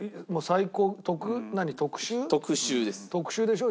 特秀でしょ。